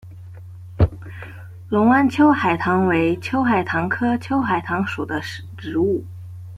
隆安秋海棠为秋海棠科秋海棠属的植物。